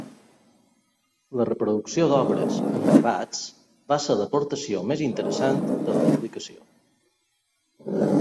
La reproducció d'obres, en gravats, va ser l'aportació més interessant de la publicació.